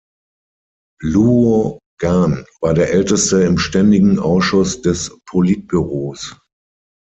Luo Gan war der Älteste im Ständigen Ausschuss des Politbüros.